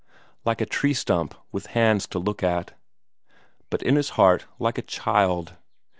Like a tree stump with hands to look at, but in his heart like a child.